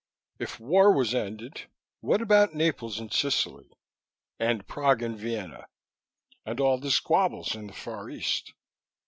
If war was ended, what about Naples and Sicily, and Prague and Vienna, and all the squabbles in the Far East?